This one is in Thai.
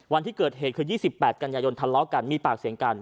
วันที่เกิดเหตุคือ๒๘กันยายนทะเลาะกันมีปากเสียงกัน